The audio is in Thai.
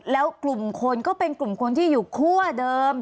แล้วกลุ่มคนก็เป็นกลุ่มคนที่อยู่คั่วเดิม